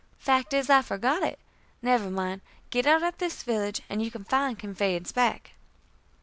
"Fact is, I forgot it. Never mind. Get out at this village, and you can find conveyance back."